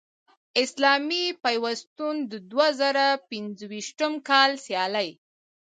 اسلامي پیوستون د دوه زره پنځویشتم کال سیالۍ